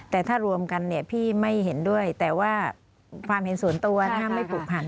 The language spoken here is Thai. แต่ถ้ารวมกันเนี่ยพี่ไม่เห็นด้วยแต่ว่าความเห็นส่วนตัวถ้าไม่ผูกพัน